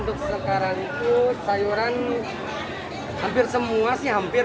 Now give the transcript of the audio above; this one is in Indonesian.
untuk sekarang itu sayuran hampir semua sih hampir